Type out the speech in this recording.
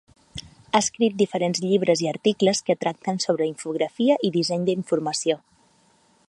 Ha escrit diferents llibres i articles que tracten sobre infografia i disseny d'informació.